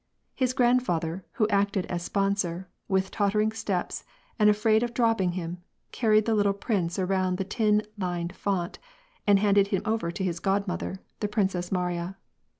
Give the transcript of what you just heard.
His grandfather, who acted as sponsor, with tottering steps, and afraid of dropping him, carried the little prince around the tin lined font, and handed him over to his godmother, the Princess Mariya.